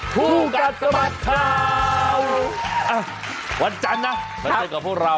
ผู้กัดสมัครข่าวอ่ะวันจันทร์นะครับมันเป็นกับพวกเรา